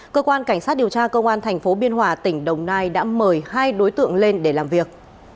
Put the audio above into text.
cơ quan cảnh sát điều tra công an thành phố biên hòa tỉnh đồng nai đã mời hai đối tượng lên để làm việc